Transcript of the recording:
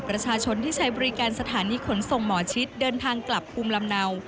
ประชาชนที่ใช้บริการสถานีขนส่งหมอชิดเดินทางกลับภูมิลำเนา